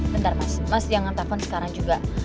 bentar mas mas jangan telepon sekarang juga